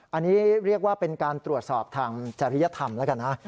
อันนี้เรียกว่าเป็นการตรวจสอบทางจริยธรรมแล้วกันนะ